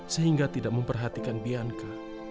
sehingga tidak memperhatikan bianca